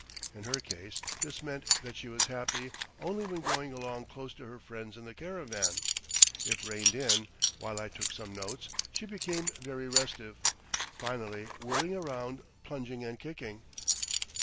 In her case this meant that she was happy only when going along close to her friends in the caravan. If reined in, while I took some notes, she became very restive, finally whirling around, plunging and kicking.